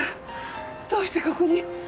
どうしてここに？